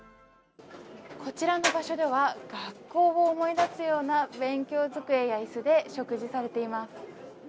こちらの場所では学校を思い出すような勉強机や椅子で食事されています。